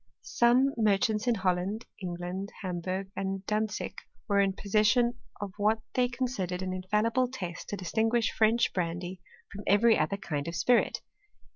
Some merchants in Holland, England, Hamburg, . and Dantzic, were in possession of what they con sidered an infallible test to distinguish French brandy from every other kind of spirit.